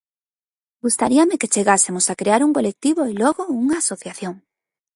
Gustaríame que chegásemos a crear un colectivo e logo unha asociación.